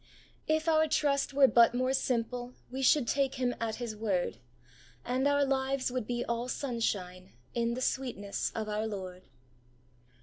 If our trust were but more simple, We should take Him at His word, And our lives would be all sunshine In the sweetness of our Lord.